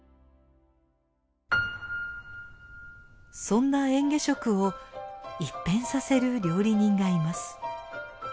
そんな嚥下食を一変させる料理人がいます。